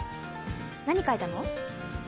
何書いたの？